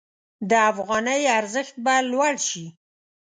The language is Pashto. د افغانۍ ارزښت به لوړ شي.